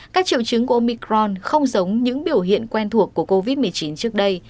các triệu chứng của omicron không giống những biểu hiện quen thuộc của covid một mươi chín trước đây